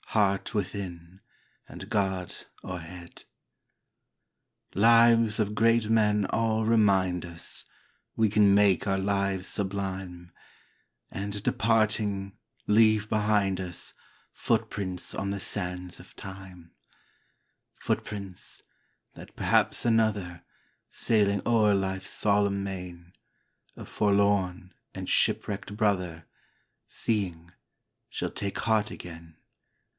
Heart within, and God o'erhead ! A PSALM OF LIFE. Lives of great men all remind us We can make our lives sublime, And, departing, leave behind us Footsteps on the sands of time ; Footsteps, that perhaps another, Sailing o'er life's solemn main, A forlorn and shipwrecked brother, Seeing, shall take heart again.